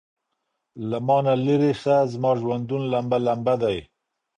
له مانه ليري سه زما ژوندون لمبه ،لمبه دی.......